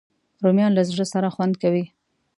رومیان له زړه سره خوند کوي